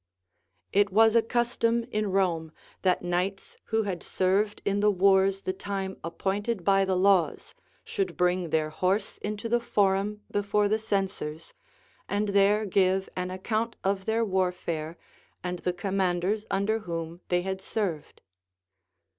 It was a custom in Rome, that knights who had served in the wars the time appointed by the laws should bring their horse into the forum before the censors, and there give an account of their warfare and the commanders under whom AND GP.EAT COMMANDERS. 2^6 they had served.